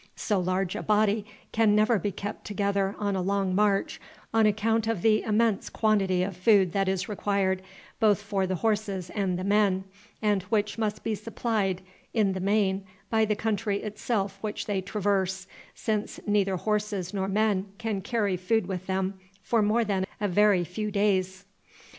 So large a body can never be kept together on a long march, on account of the immense quantity of food that is required, both for the horses and the men, and which must be supplied in the main by the country itself which they traverse, since neither horses nor men can carry food with them for more than a very few days.